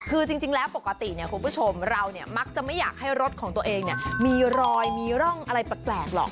คือจริงแล้วปกติคุณผู้ชมเรามักจะไม่อยากให้รถของตัวเองมีรอยมีร่องอะไรแปลกหรอก